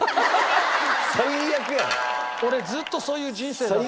俺ずっとそういう人生だった。